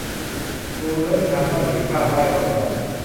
งูเลื้อยไปทางก้อนหินข้างใต้ร่มเงา